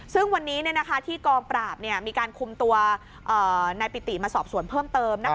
ซึ่งวันนี้ที่กองปราบมีการคุมตัวนายปิติมาสอบสวนเพิ่มเติม